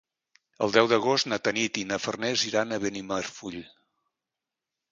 El deu d'agost na Tanit i na Farners iran a Benimarfull.